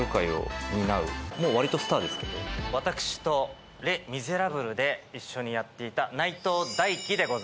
私と『レ・ミゼラブル』で一緒にやっていた内藤大希でございます。